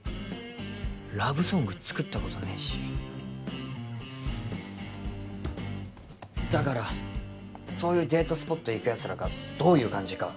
ラブソング作ったことねえしだからそういうデートスポット行くやつらがどういう感じか